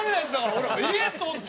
俺ええー！と思って。